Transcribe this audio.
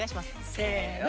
せの。